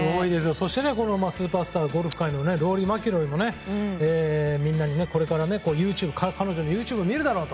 そして、スーパースターゴルフ界のローリー・マキロイもみんなは、これから彼女のＹｏｕＴｕｂｅを見るだろうと。